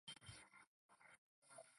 车底国流域。